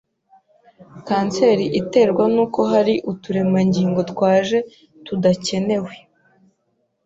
Kanseri iterwa nuko hari uturemangingo twaje tudakenewe